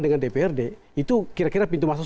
dengan dprd itu kira kira pintu masuk